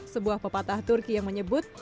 sebuah pepatah turki yang menyebut